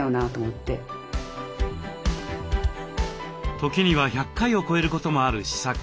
時には１００回を超えることもある試作。